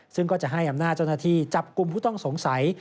ซึ่งก็จะให้อำนาจเจ้าหน้าที่จับกลุ่มผู้ต้องสงสัย